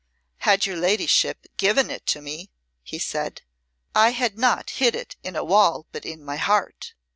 "Had your ladyship given it to me," he said, "I had not hid it in a wall, but in my heart."